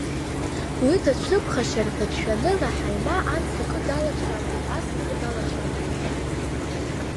Уи дацәыԥхашьар ҳәа дшәаны, Раҳаима анс акы далацәажәоит, ас акы далацәажәоит.